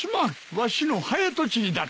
わしの早とちりだった。